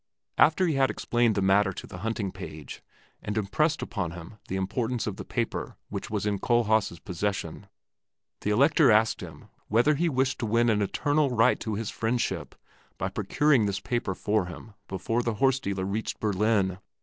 After he had explained the matter to the hunting page and impressed upon him the importance of the paper which was in Kohlhaas' possession, the Elector asked him whether he wished to win an eternal right to his friendship by procuring this paper for him before the horse dealer reached Berlin.